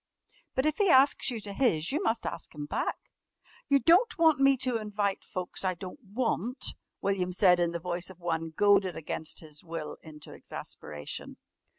"But if he asks you to his you must ask him back." "You don't want me to invite folks I don't want?" William said in the voice of one goaded against his will into exasperation.